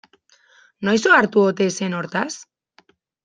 Noiz ohartu ote zen hortaz?